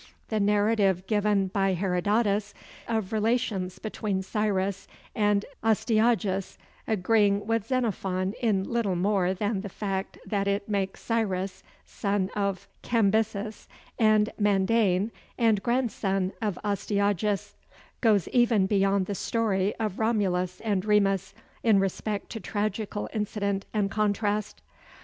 The narrative given by Herodotus of the relations between Cyrus and Astyages, agreeing with Xenophon in little more than the fact that it makes Cyrus son of Cambyses and Mandane and grandson of Astyages, goes even beyond the story of Romulus and Remus in respect to tragical incident and contrast.